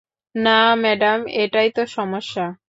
না, ম্যাডাম, এটাই তো সমস্যা।